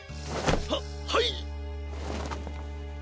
はっはい！